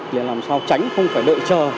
để làm sao tránh không phải đợi chờ